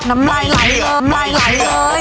น้ำลายหลายเลย